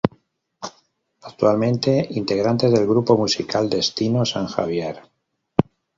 Actualmente integrante del grupo musical Destino San Javier.